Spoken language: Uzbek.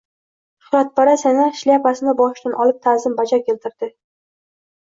Shuhratparast yana shlyapasini boshidan olib ta’zim bajo keltirdi.